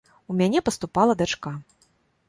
У мяне паступала дачка.